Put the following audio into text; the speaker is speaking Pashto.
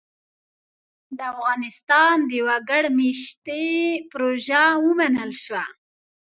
د افغانستان د وګړ مېشتۍ پروژه ومنل شوه.